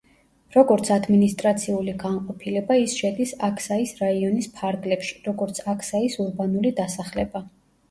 როგორც ადმინისტრაციული განყოფილება, ის შედის აქსაის რაიონის ფარგლებში, როგორც აქსაის ურბანული დასახლება.